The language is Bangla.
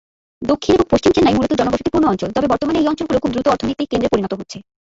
দক্ষিণ এবং পশ্চিম চেন্নাই মূলত জনবসতিপূর্ণ অঞ্চল তবে বর্তমানে এই অঞ্চলগুলো খুব দ্রুত অর্থনৈতিক কেন্দ্রে পরিণত হচ্ছে।